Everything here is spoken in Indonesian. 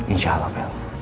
insya allah bel